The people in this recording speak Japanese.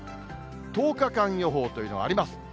１０日間予報というのがあります。